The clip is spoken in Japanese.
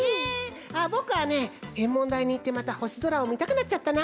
あっぼくはねてんもんだいにいってまたほしぞらをみたくなっちゃったな。